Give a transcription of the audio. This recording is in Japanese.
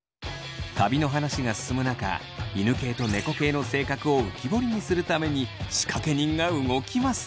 旅の話が進む中犬系と猫系の性格を浮き彫りにするために仕掛け人が動きます！